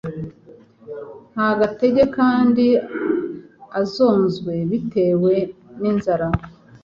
Nta gatege kandi azonzwe bitewe n’inzara,